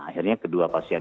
akhirnya kedua pasien